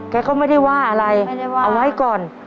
แกก็ไม่ได้ว่าอะไรเอาไว้ก่อน